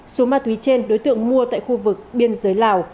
số ma túy trên đối tượng mua tại khu vực biên giới lào